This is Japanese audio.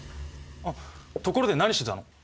あところで何してたの？